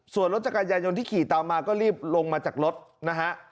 ส่วนรถจักรยายนที่ขี่ตามมาก็รีบลงมาจากรถนะฮะ